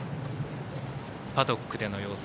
パドックでの様子。